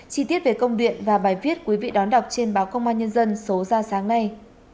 chi tiết về công điện và bài viết quý vị đón đọc trên báo công an nhân dân số ra sáng nay